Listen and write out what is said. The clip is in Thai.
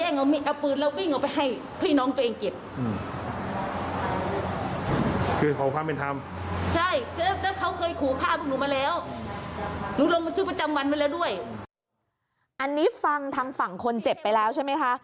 อันนี้ฟังทางฝั่งคนเจ็บไปแล้วใช่ไหมคะ